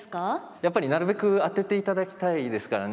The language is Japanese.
やっぱりなるべく当てていただきたいですからね。